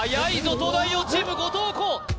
東大王チーム後藤弘